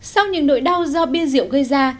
sau những nỗi đau do bia rượu gây ra